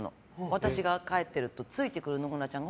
私が帰ってるとついてくる野良ちゃんが。